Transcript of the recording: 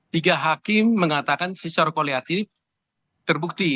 tiga hakim mengatakan secara kuliatif terbukti